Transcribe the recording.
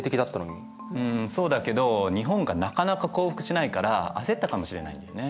うんそうだけど日本がなかなか降伏しないから焦ったかもしれないんだよね。